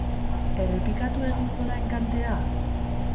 Errepikatu egingo da enkantea?